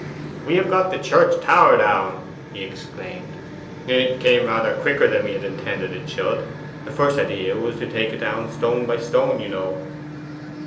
'We have got the tower down!' he exclaimed. 'It came rather quicker than we intended it should. The first idea was to take it down stone by stone, you know.